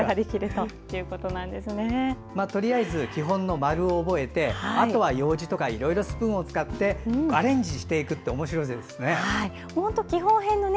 とりあえず基本の丸を覚えてあとはようじとかいろいろスプーンを使ってアレンジしていくと面白そうですね。